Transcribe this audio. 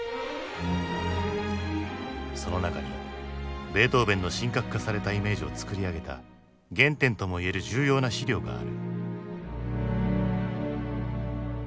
その中にベートーヴェンの神格化されたイメージを作り上げた原点ともいえる重要な資料がある。